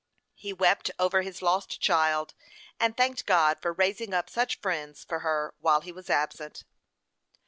He wept over his lost child, and thanked God for raising up such friends for her while he was absent.